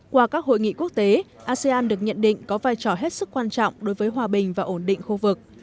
qua các hội nghị quốc tế asean được nhận định có vai trò hết sức quan trọng đối với hòa bình và ổn định khu vực